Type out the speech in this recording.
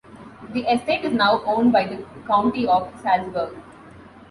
The estate is now owned by the county of Salzburg.